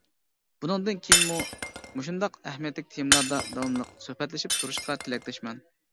بۇندىن كېيىنمۇ مۇشۇنداق ئەھمىيەتلىك تېمىلاردا داۋاملىق سۆھبەتلىشىپ تۇرۇشقا تىلەكداشمەن.